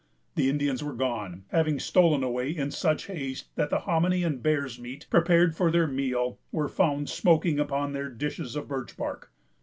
The Indians were gone, having stolen away in such haste that the hominy and bear's meat, prepared for their meal, were found smoking upon their dishes of birch bark.